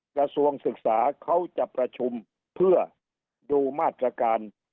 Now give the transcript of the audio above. กระทรวงศึกษาเขาจะประชุมเพื่อดูมาตรการ